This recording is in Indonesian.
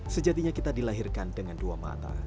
sejatinya kita dilahirkan dengan dua mata